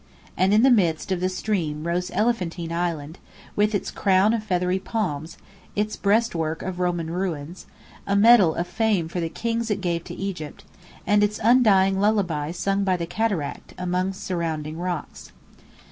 And in the midst of the stream rose Elephantine Island, with its crown of feathery palms, its breastwork of Roman ruins (a medal of fame for the kings it gave to Egypt) and its undying lullaby sung by the cataract, among surrounding rocks.